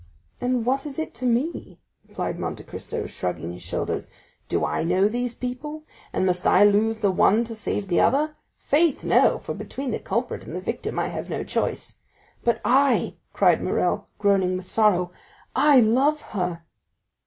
"And what is it to me?" replied Monte Cristo, shrugging his shoulders; "do I know those people? and must I lose the one to save the other? Faith, no, for between the culprit and the victim I have no choice." "But I," cried Morrel, groaning with sorrow, "I love her!"